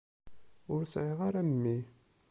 Ur sɛiɣ ara memmi.